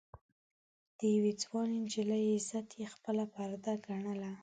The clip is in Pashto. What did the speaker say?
د يوې ځوانې نجلۍ عزت يې خپله پرده ګڼله.